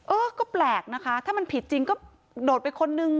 เออก็แปลกนะคะถ้ามันผิดจริงก็โดดไปคนนึง